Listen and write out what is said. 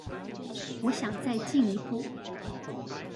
我想再進一步